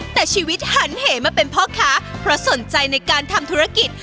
แต่ชีวิตหันเหมาเป็นพ่อค้าเพราะสนใจในการทำธุรกิจ